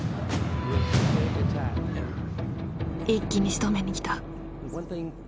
一気にしとめに来た。